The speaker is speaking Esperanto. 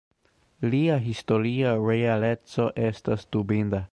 Lia historia realeco estas dubinda.